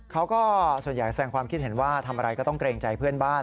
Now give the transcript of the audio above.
เขาก็ส่วนใหญ่แสงความคิดเห็นว่าทำอะไรก็ต้องเกรงใจเพื่อนบ้าน